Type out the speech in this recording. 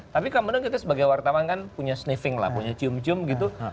tapi kemudian kita sebagai wartawan kan punya sniffing lah punya cium cium gitu